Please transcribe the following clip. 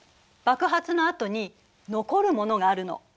爆発のあとに残るものがあるの。